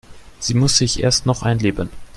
Sie muss sich erst noch einleben.